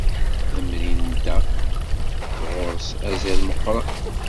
Tamrint-a ɣur-s azal meqqren.